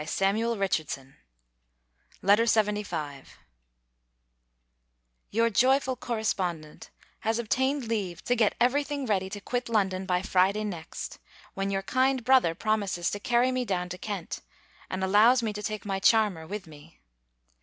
LETTER LXXV MY DEAREST LADY, Your joyful correspondent has obtained leave to get every thing: ready to quit London by Friday next, when your kind brother promises to carry me down to Kent, and allows me to take my charmer with me.